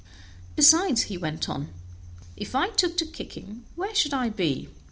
"Besides," he went on, "if I took to kicking where should I be?